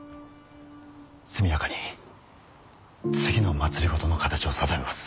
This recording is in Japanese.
速やかに次の政の形を定めます。